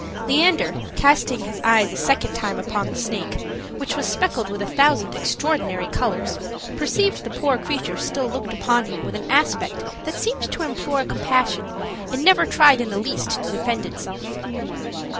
Leander, casting his eyes a second time upon the snake, which was speckled with a thousand extraordinary colors, perceived the poor creature still looked upon him with an aspect that seemed to implore compassion, and never tried in the least to defend itself.